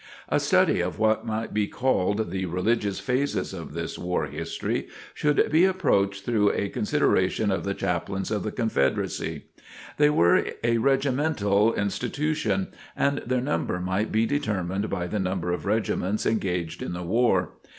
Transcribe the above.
A study of what might be called "the religious phases" of this war history should be approached through a consideration of the chaplains of the Confederacy. They were a regimental institution, and their number might be determined by the number of regiments engaged in the war.